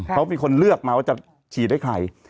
เขามีคนเลือกมาว่าจะฉีดให้ใคร